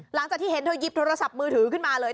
หลังจากที่เห็นเธอหยิบโทรศัพท์มือถือขึ้นมาเลย